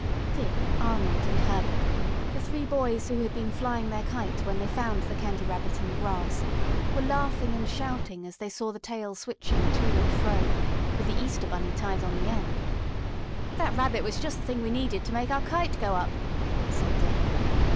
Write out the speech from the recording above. Dick, Arnold and Herbert, the three boys who had been flying their kite when they found the Candy Rabbit in the grass, were laughing and shouting as they saw the tail switching to and fro, with the Easter Bunny tied on the end. "That Rabbit was just the thing needed to make our kite go up," said Dick.